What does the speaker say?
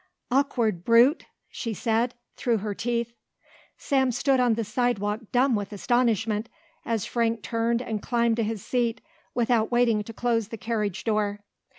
"Awkward brute," she said, through her teeth. Sam stood on the sidewalk dumb with astonishment as Frank turned and climbed to his seat without waiting to close the carriage door.